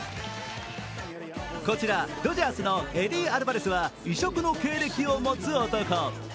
こちらドジャースのエディ・アルバレスは異色の経歴を持つ男。